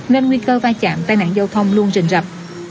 nên nguy cơ va chạm tai nạn giao thông luôn rình rập